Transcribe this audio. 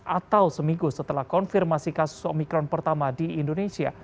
atau seminggu setelah konfirmasi kasus omikron pertama di indonesia